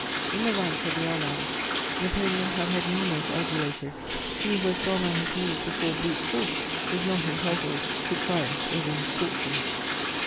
In the ranks of the Allies, Napoleon had had numerous adulators: he who has gone on his knees before brute force is not entitled to triumph over misfortune.